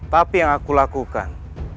tapi yang aku lakukan